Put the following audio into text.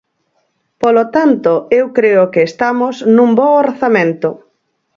Polo tanto, eu creo que estamos nun bo orzamento.